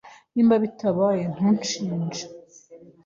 Niba bitabaye, ntunshinje.